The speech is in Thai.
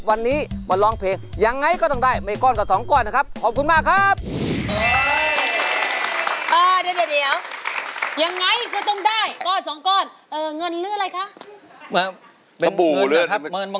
อันนี้เนี่ยใช้มือ